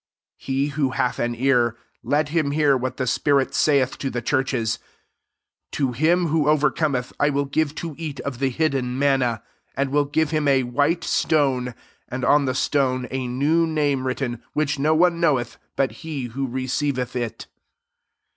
17 He who hath an ear, let him hear what the spirit saith to the churches. To him who over Cometh I will give lo eat of the hidden manna; and will give him a white stone, and on the stone a new name written, which no one knoweth but he who re ceiveth it.